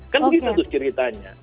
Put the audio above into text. kan begitu tuh ceritanya